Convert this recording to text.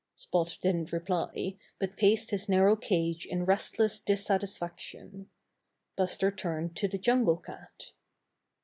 Spot didn't reply, but paced his narrow cage in restless dissatisfaction. Buster turned to the Jungle Cat.